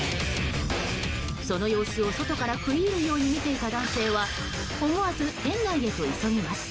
その様子を外から食い入るように見ていた男性は思わず店内へと急ぎます。